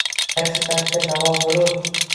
Qaysi dardga davo boʼlur?